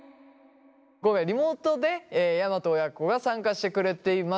今回リモートで山戸親子が参加してくれています。